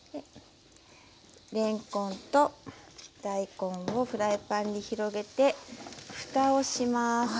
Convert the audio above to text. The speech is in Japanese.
れんこんと大根をフライパンに広げてふたをします。